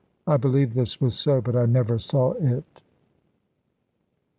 I believe this was so; but I never saw it.